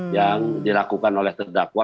yang dilakukan oleh terdakwa